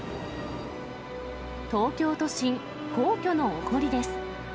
東京都心、皇居のお堀です。